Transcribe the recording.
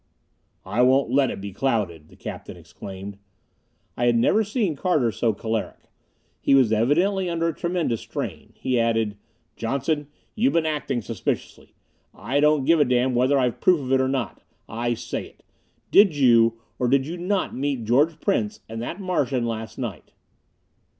"I won't let it be clouded," the captain exclaimed. I had never seen Carter so choleric. He was evidently under a tremendous strain. He added, "Johnson, you've been acting suspiciously. I don't give a damn whether I've proof of it or not I say it. Did you, or did you not meet George Prince and that Martian last night?"